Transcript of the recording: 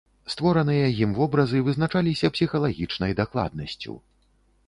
Створаныя ім вобразы вызначаліся псіхалагічнай дакладнасцю.